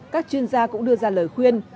các chuyên gia cũng đưa ra lời khuyên